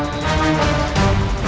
aku tidak tahu